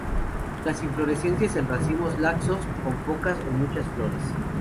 Las inflorescencias en racimos laxos, con pocas a muchas flores.